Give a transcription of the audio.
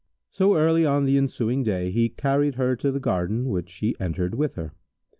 So early on the ensuing day, he carried her to the garden which he entered with her.